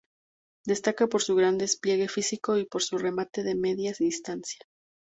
Destaca por su gran despliegue físico y por su remate de media distancia.